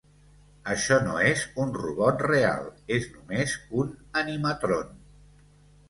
Això no és un robot real, és només un animatron.